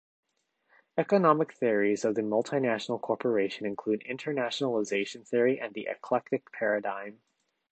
Economic theories of the multinational corporation include internalization theory and the eclectic paradigm.